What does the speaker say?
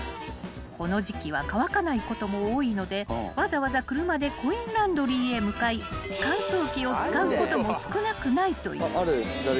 ［この時季は乾かないことも多いのでわざわざ車でコインランドリーへ向かい乾燥機を使うことも少なくないという］